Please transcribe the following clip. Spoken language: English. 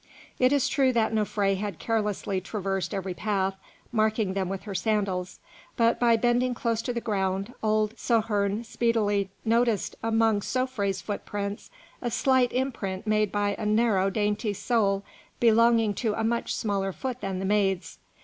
It is true that Nofré had carelessly traversed every path, marking them with her sandals, but by bending close to the ground, old Souhem speedily noticed among Nofré's footprints a slight imprint made by a narrow, dainty sole belonging to a much smaller foot than the maid's.